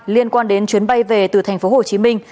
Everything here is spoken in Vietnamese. liên quan đến chuyến bay về từ thành phố hồ chí minh